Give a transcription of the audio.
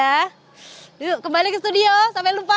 yuk kembali ke studio sampai lupa